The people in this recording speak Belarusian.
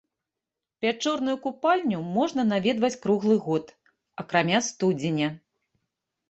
Пячорную купальню можна наведваць круглы год, акрамя студзеня.